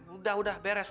udah udah beres